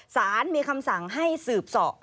สารมีคำสั่งให้สืบส่อ